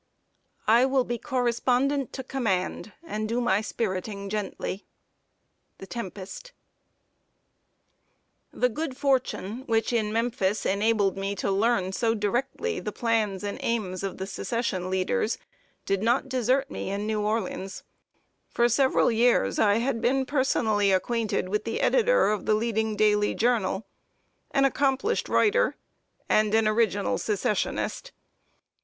I will be correspondent to command, And do my spiriting gently. TEMPEST. [Sidenote: INTRODUCTION TO REBEL CIRCLES.] The good fortune which in Memphis enabled me to learn so directly the plans and aims of the Secession leaders, did not desert me in New Orleans. For several years I had been personally acquainted with the editor of the leading daily journal an accomplished writer, and an original Secessionist.